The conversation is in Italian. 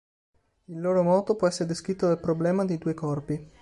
Il loro moto può essere descritto dal problema dei due corpi.